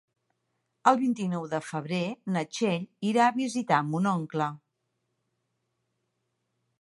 El vint-i-nou de febrer na Txell irà a visitar mon oncle.